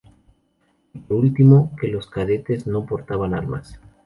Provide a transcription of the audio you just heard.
Y, por último, que los cadetes no portaban armas.